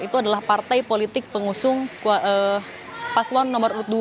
itu adalah partai politik pengusung paslon nomor tiga ganjar mahfud md